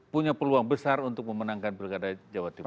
punya peluang besar untuk memenangkan pilkada jawa timur